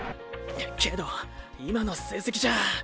けど今の成績じゃ。